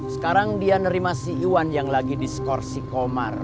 sekarang dia nerima si iwan yang lagi diskorsi komar